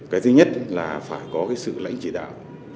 cái thứ nhất là phải có cái sự lãnh chỉ đạo